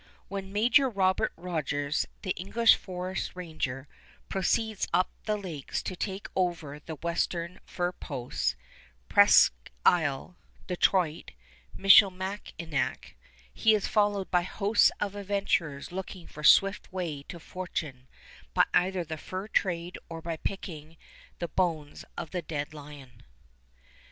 When Major Robert Rogers, the English forest ranger, proceeds up the lakes to take over the western fur posts, Presqu' Isle, Detroit, Michilimackinac, he is followed by hosts of adventurers looking for swift way to fortune by either the fur trade or by picking the bones of the dead lion.